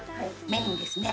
メインですね。